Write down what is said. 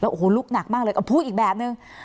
แล้วโอ้โหลุกหนักมากเลยพูดอีกแบบนึง